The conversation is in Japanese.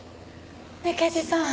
ねえ刑事さん